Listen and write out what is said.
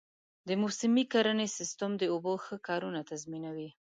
د موسمي کرنې سیستم د اوبو ښه کارونه تضمینوي.